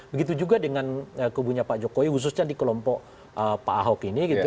begitu juga dengan kubunya pak jokowi khususnya di kelompok pak ahok ini gitu